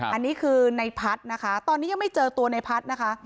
อันนี้คือนายพัดนะคะตอนนี้ยังไม่เจอตัวนายพัดนะคะ